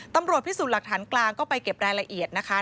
ตำรวจพิสูจน์หลักฐานกลางก็ไปเก็บรายละเอียดนะคะ